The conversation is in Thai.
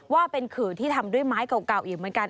ว่าเป็นขื่อที่ทำด้วยไม้เก่าอีกเหมือนกัน